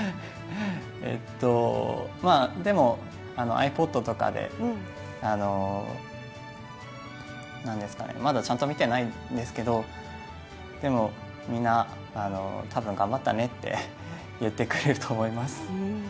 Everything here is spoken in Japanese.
でも、ｉＰｏｄとかでまだちゃんと見てないんですけどでもみんな、多分頑張ったねって言ってくれると思います。